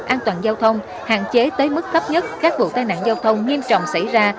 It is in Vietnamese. an toàn giao thông hạn chế tới mức thấp nhất các vụ tai nạn giao thông nghiêm trọng xảy ra